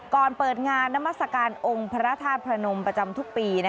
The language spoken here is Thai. เปิดงานนามัศกาลองค์พระธาตุพระนมประจำทุกปี